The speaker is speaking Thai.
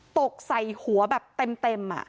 ตกใส่หัวแบบเต็ม